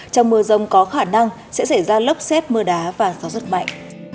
trong mưa rông có khả năng sẽ xảy ra lốc xét mưa đá và gió rất mạnh